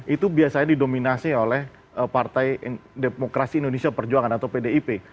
itu biasanya didominasi oleh partai demokrasi indonesia perjuangan atau pdip